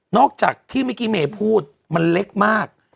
นอกจากที่เมกิเมพูดมันเล็กมาก